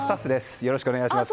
よろしくお願いします。